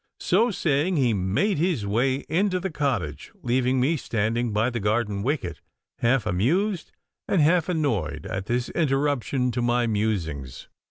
So saying he made his way into the cottage, leaving me standing by the garden wicket, half amused and half annoyed at this interruption to my musings.